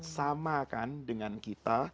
sama kan dengan kita